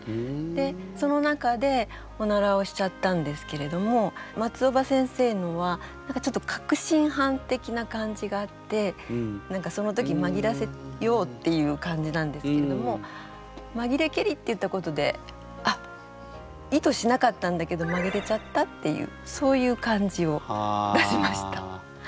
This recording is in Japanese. でその中でおならをしちゃったんですけれども松尾葉先生のは何かちょっと確信犯的な感じがあって何かその時まぎらせようっていう感じなんですけれども「まぎれけり」って言ったことであっ意図しなかったんだけどまぎれちゃったっていうそういう感じを出しました。